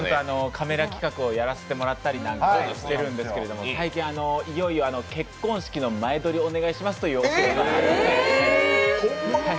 カメラ規格をやらせてもらったりしてるんですけど、最近、いよいよ結婚式の前撮りお願いしますと言われまして。